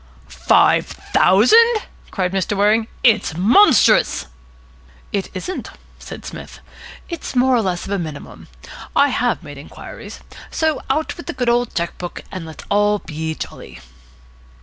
"Five thousand!" cried Mr. Waring. "It's monstrous." "It isn't," said Psmith. "It's more or less of a minimum. I have made inquiries. So out with the good old cheque book, and let's all be jolly."